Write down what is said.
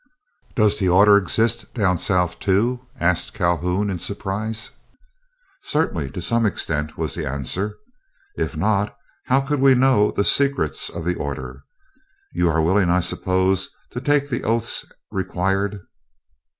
"Does the order exist down South, too?" asked Calhoun, in surprise. "Certainly, to some extent," was the answer. "If not, how could we know the secrets of the order? You are willing, I suppose, to take the oaths required?"